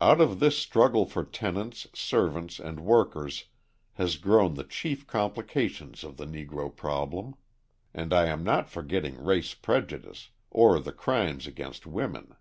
Out of this struggle for tenants, servants, and workers has grown the chief complications of the Negro problem and I am not forgetting race prejudice, or the crimes against women.